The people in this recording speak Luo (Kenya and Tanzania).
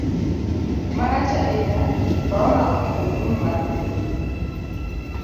Marach ahinya, Korona oketho ochumi mar piny ngima.